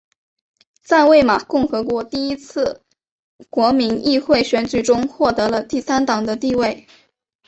在魏玛共和国第一次国民议会选举中获得了第三党的地位。